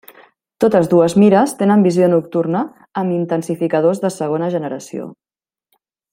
Totes dues mires tenen visió nocturna, amb intensificadors de segona generació.